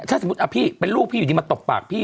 ถ้าสมมุติพี่เป็นลูกพี่อยู่ดีมาตบปากพี่